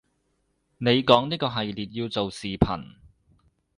你講呢個系列要做視頻